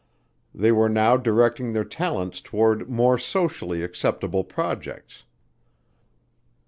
They were now directing their talents toward more socially acceptable projects.